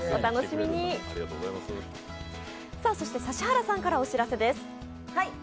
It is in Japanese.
指原さんからお知らせです。